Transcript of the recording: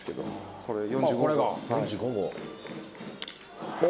これ４５号。